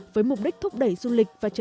với mục đích thúc đẩy du lịch